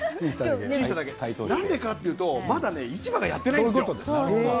なんでかというと、まだ市場がやっていないんですよ。